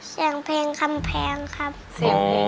เสียงเพลงคำเพลงครับ